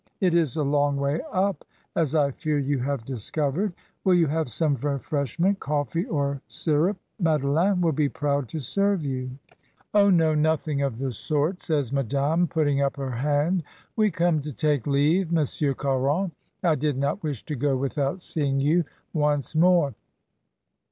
It is a long way up, as I fear you have discovered. Will you have some refreshment — coffee or sirop? Made leine will be proud to serve you." "Oh, no, nothing of the sort," says Madame, put ting up her hand. "We come to take leave. Mon sieur Caron. I did not wish to go without seeing you once more.